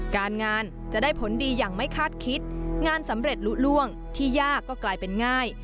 การงานจะได้ผลดีอย่างไม่คาดคิดงานสำเร็จลุล่วงที่ยากก็กลายเป็นง่าย